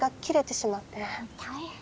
大変！